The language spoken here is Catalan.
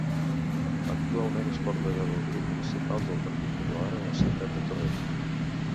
Actualment és portaveu del Grup Municipal del Partit Popular en la ciutat de Torrent.